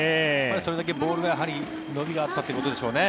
それだけボールが伸びがあったということですね。